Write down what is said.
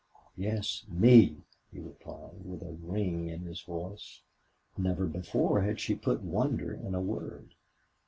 "Yes, me," he replied, with a ring in his voice. Never before had she put wonder in a word.